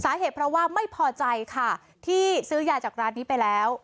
สาเหตุเพราะว่าไม่พอใจค่ะที่ซื้อยาจากร้านนี้ไปแล้ว